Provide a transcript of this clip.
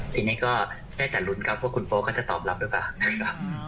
ทีนี้ก็ได้แต่รุ้นครับว่าคุณโฟล์ก็จะตอบรับด้วยบ้าง